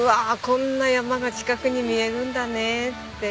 こんな山が近くに見えるんだねって。